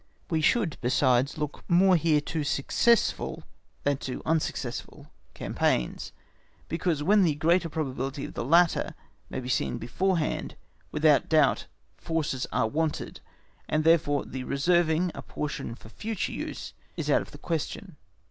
We should besides look more here to successful than to unsuccessful campaigns, because when the greater probability of the latter may be seen beforehand, without doubt forces are wanted, and, therefore, the reserving a portion for future use is out of the question.